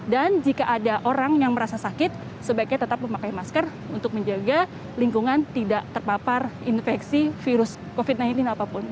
dan jika ada orang yang merasa sakit sebaiknya tetap memakai masker untuk menjaga lingkungan tidak terpapar infeksi virus covid sembilan belas apapun